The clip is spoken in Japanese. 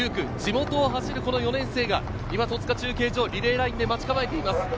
９区、地元を走る４年生が今、戸塚中継所をリレーラインで待ち構えています。